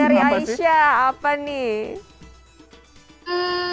dari aisyah apa nih